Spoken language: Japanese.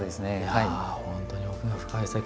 いや本当に奥が深い世界。